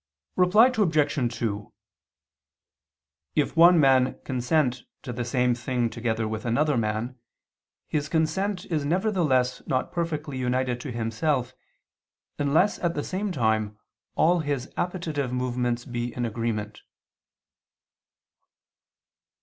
Reply Obj. 2: If one man consent to the same thing together with another man, his consent is nevertheless not perfectly united to himself, unless at the same time all his appetitive movements be in agreement.